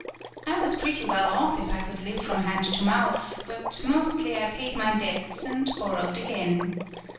I was pretty well off if I could live from hand to mouth, but mostly I paid my debts and borrowed again.